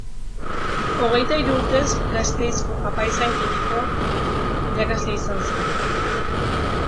Hogeita hiru urtez Gasteizko Apaizgaitegiko irakasle izan zen.